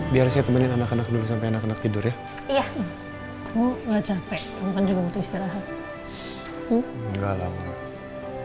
biar saya temenin anak anak dulu sampai anak anak tidur ya iya enggak capek